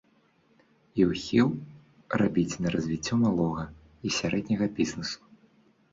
І ўхіл рабіць на развіццё малога і сярэдняга бізнесу.